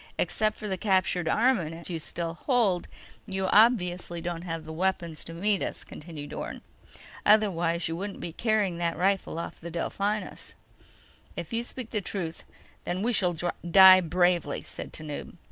"Except for the captured armament you still hold, you obviously don't have the weapons to meet us," continued Orne. "Otherwise, you wouldn't be carrying that rifle off the Delphinus." "If you speak the truth, then we shall die bravely," said Tanub.